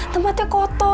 tempatnya kotor ya